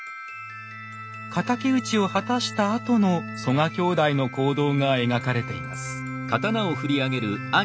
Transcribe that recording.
敵討ちを果たしたあとの曽我兄弟の行動が描かれています。